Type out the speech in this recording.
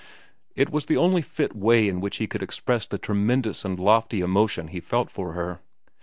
It was the only fit way in which he could express the tremendous and lofty emotion he felt for her.